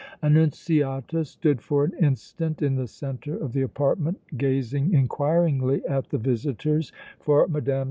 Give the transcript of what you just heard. Annunziata stood for an instant in the centre of the apartment, gazing inquiringly at the visitors, for Mme.